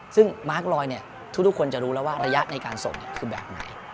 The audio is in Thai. ซึ่งมาร์คลอยทุกคนจะรู้แล้วว่าระยะในการส่งคือแบบไหน